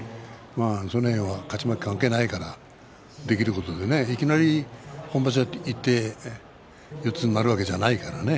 その辺は勝ち負け関係ないからできることでいきなり本場所に行って四つになるわけじゃないからね。